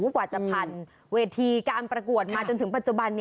กว่าจะผ่านเวทีการประกวดมาจนถึงปัจจุบัน